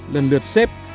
lần lượt xếp